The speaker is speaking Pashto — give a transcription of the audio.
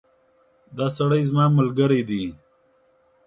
دا سړی زما ملګری دی